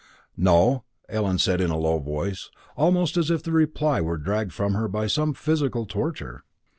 "No," Ellen said in a low voice, almost as if the reply were dragged from her by some physical torture.